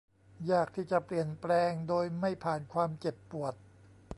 ยากที่จะเปลี่ยนแปลงโดยไม่ผ่านความเจ็บปวด